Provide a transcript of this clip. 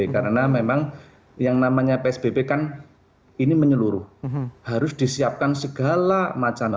karena memang yang namanya psbb kan ini menyeluruh harus disiapkan segala wacana